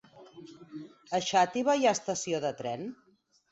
A Xàtiva hi ha estació de tren?